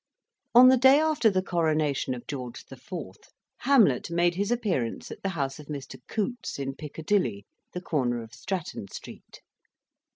On the day after the coronation of George IV., Hamlet made his appearance at the house of Mr. Coutts, in Piccadilly, the corner of Stratton Street.